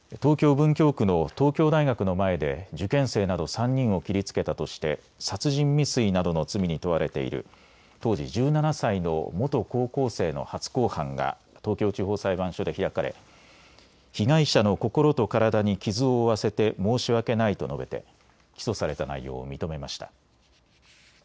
文京区の東京大学の前で受験生など３人を切りつけたとして殺人未遂などの罪に問われている当時１７歳の元高校生の初公判が東京地方裁判所で開かれ、被害者の心と体に傷を負わせて申し訳ないと述べて起訴された内容を認めました。